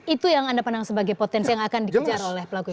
itu yang anda pandang sebagai potensi yang akan dikejar oleh pelaku ini